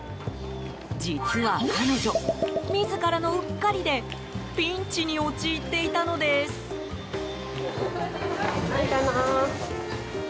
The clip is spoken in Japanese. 実は彼女、自らのうっかりでピンチに陥っていたのです。